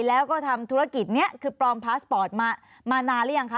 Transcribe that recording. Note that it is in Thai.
แล้วก็ทำธุรกิจนี้คือปลอมพาสปอร์ตมานานหรือยังคะ